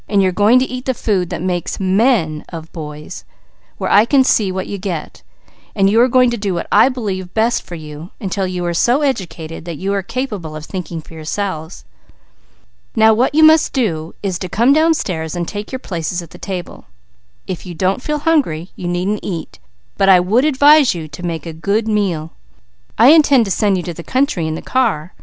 You're going to eat the food that makes men of boys, where I can see what you get. You are going to do what I believe best for you, until you are so educated that you are capable of thinking for yourselves. Now what you must do, is to come downstairs and take your places at the table. If you don't feel hungry, you needn't eat; but I would advise you to make a good meal. I intend to send you to the country in the car.